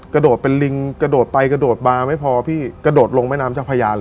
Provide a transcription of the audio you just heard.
กระโดดเป็นลิงกระโดดไปกระโดดมาไม่พอพี่กระโดดลงแม่น้ำเจ้าพญาเลย